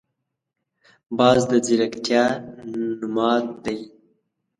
باز د ځیرکتیا نماد دی